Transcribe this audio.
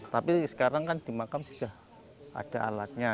tapi sekarang kan di makam sudah ada alatnya